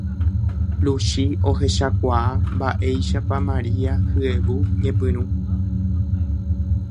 Luchi ohechakuaa mba'éichapa Maria hyevu ñepyrũ